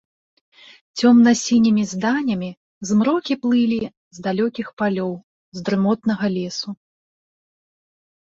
Цёмна-сінімі зданямі змрокі плылі з далёкіх палёў, з дрымотнага лесу.